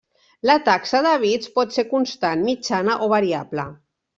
La taxa de bits pot ser constant, mitjana o variable.